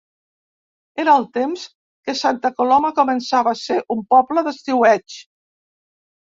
Era el temps que Santa Coloma començava a ser un poble d'estiueig.